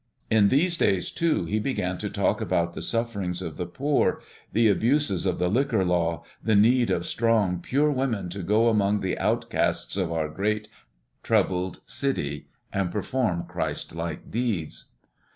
In these days, too, he began to talk about the sufferings of the poor, the abuses of the liquor law, the need of strong, pure women to go among the outcasts of our great, troubled city and perform Christlike deeds.